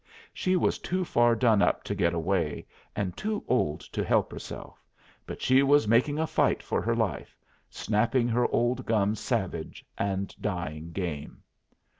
She was too far done up to get away, and too old to help herself, but she was making a fight for her life, snapping her old gums savage, and dying game.